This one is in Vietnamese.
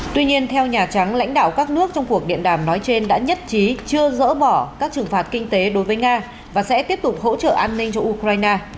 tuy nhiên theo nhà trắng lãnh đạo các nước trong cuộc điện đàm nói trên đã nhất trí chưa dỡ bỏ các trừng phạt kinh tế đối với nga và sẽ tiếp tục hỗ trợ an ninh cho ukraine